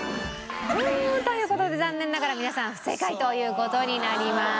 という事で残念ながら皆さん不正解という事になります。